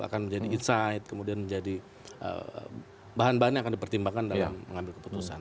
akan menjadi insight kemudian menjadi bahan bahan yang akan dipertimbangkan dalam mengambil keputusan